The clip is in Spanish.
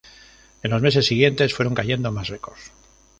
En los meses siguientes fueron cayendo más records.